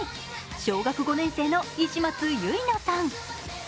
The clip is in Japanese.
小学５年生の石松結菜さん。